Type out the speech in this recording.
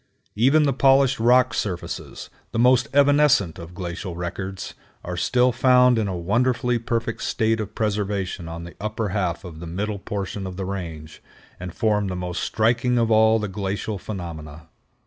Even the polished rock surfaces, the most evanescent of glacial records, are still found in a wonderfully perfect state of preservation on the upper half of the middle portion of the range, and form the most striking of all the glacial phenomena.